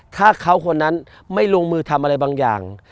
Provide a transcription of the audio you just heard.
ถ้าเขาคนนั้นไม่ลงมือทำอะไรบางอย่าง